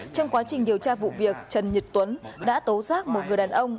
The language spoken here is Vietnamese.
trong quá trình điều tra vụ việc trần nhật tuấn đã tố giác một người đàn ông